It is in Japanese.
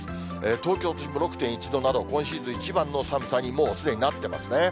東京都心も６．１度など、今シーズン一番の寒さにもうすでになっていますね。